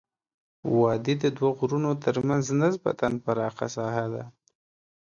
وادي د دوه غرونو ترمنځ نسبا پراخه ساحه ده.